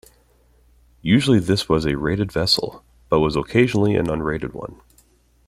Usually this was a rated vessel, but was occasionally an unrated one.